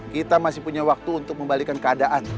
kita masih punya waktu untuk membalikan keadaan